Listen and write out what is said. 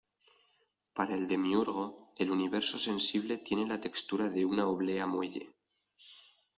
Para el demiurgo, el universo sensible tiene la textura de una oblea muelle.